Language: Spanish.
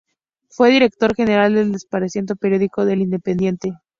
Fue director general del desparecido periódico "El Independiente".